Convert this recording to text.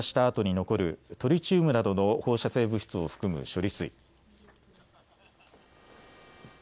高い濃度の汚染水を浄化したあとに残るトリチウムなどの放射性物質を含む処理水。